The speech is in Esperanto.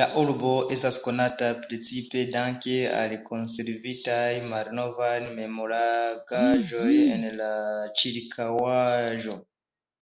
La urbo estas konata precipe danke al konservitaj malnovaj memorigaĵoj en la ĉirkaŭaĵo.